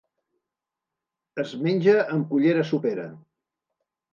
Es menja amb cullera sopera.